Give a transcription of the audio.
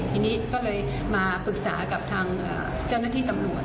ทีนี้ก็เลยมาปรึกษากับทางเจ้าหน้าที่ตำรวจ